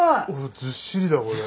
ずっしりだこれ。